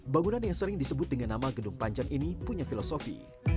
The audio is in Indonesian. bangunan yang sering disebut dengan nama gedung panjang ini punya filosofi